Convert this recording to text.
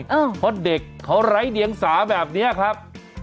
เพราะเด็กเขาไร้เดียงสาแบบนี้ครับ